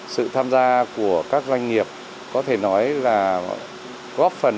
sự tham gia của các doanh nghiệp có thể nói là góp phần